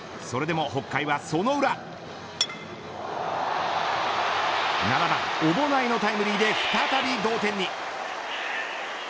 それでも北海は、その裏７番、オボナイのタイムリーで再び同点に。